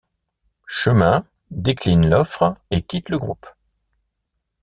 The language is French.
Chemin décline l’offre et quitte le groupe.